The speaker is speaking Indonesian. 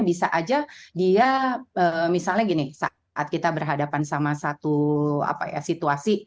bisa aja dia misalnya gini saat kita berhadapan sama satu situasi